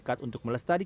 dan juga olimpiade